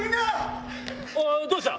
どうした？